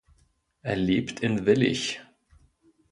Er lebt in Willich.